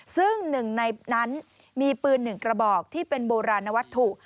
ซึ่งหนึ่งในนั้นมีปืน๑กระบอกที่เป็นโบราณวัตถุ